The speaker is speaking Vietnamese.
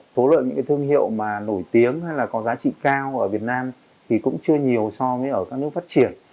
tố lợi những thương hiệu nổi tiếng hay là có giá trị cao ở việt nam thì cũng chưa nhiều so với ở các nước phát triển